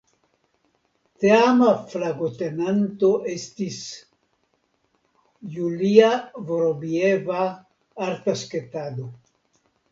Teama flagotenanto estis "Julia Vorobieva" (arta sketado).